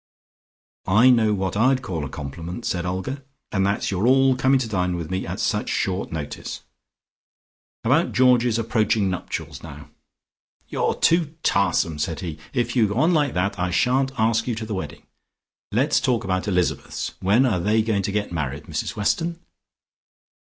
"I know what I call a compliment," said Olga, "and that's your all coming to dine with me at such short notice. About Georgie's approaching nuptials now " "You're too tarsome" said he. "If you go on like that, I shan't ask you to the wedding. Let's talk about Elizabeth's. When are they going to get married, Mrs Weston?"